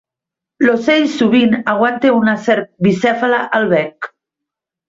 L'ocell sovint aguanta una serp bicèfala al bec.